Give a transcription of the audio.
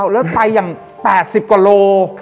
ปิดไปตั้งจ้าง๘๐กว่าโล